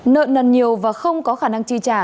nợ nần nhiều và không có khả năng chi trả